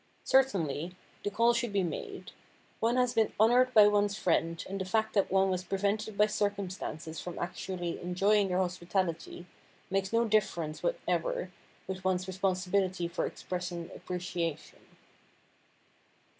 Certainly, the call should be made. One has been honored by one's friends and the fact that one was prevented by circumstances from actually enjoying their hospitality makes no difference whatever with one's responsibility for expressing appreciation.